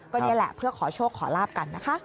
ก็นี่แหละเพื่อขอโชคขอลาบกันนะคะ